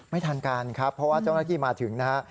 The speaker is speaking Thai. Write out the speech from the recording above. ไม่ทันการครับเพราะว่าเจ้าหน้าที่มาถึงนะฮะ